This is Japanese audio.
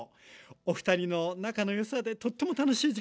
おふたりの仲の良さでとっても楽しい時間でした！